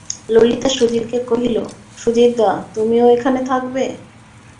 ললিতা সুধীরকে কহিল, সুধীরদা, তুমিও এখানে থাকবে?